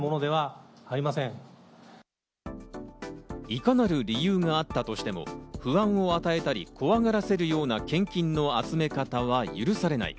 いかなる理由があったとしても、不安を与えたり、怖がらせるような献金の集め方は許されない。